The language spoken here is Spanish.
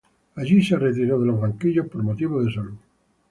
Allí se retiró de los banquillos por motivos de salud.